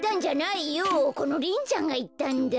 このリンちゃんがいったんだ。